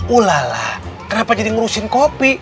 ulalah kenapa jadi ngurusin kopi